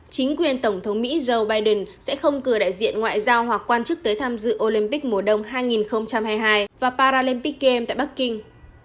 chính quyền tổng thống mỹ joe biden sẽ không cử đại diện ngoại giao hoặc quan chức tới tham dự olympic mùa đông hai nghìn hai mươi hai và paralympik game tại bắc kinh